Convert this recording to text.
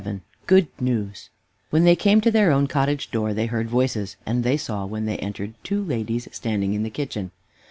VII GOOD NEWS When they came to their own cottage door, they heard voices, and they saw, when they entered, two ladies standing in the kitchen.